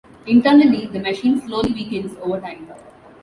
Internally, the machine slowly weakens over time.